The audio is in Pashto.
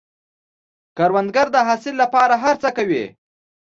کروندګر د حاصل له پاره هر څه کوي